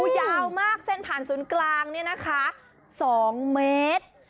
ยาวมากเส้นผ่านศูนย์กลาง๒เมตร